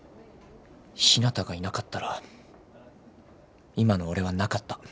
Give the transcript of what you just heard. ひなたがいなかったら今の俺はなかった。